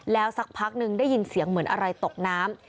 แล้วสักพักนึงได้ยินเสียงเหมือนอะไรตกน้ำ